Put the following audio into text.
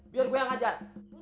biar gue yang ngajar